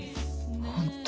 本当。